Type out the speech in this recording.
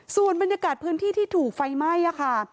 ส่วนบรรยากาศพื้นที่ที่ถูกไฟไหม้ค่ะ